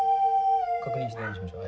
確認し直しましょう。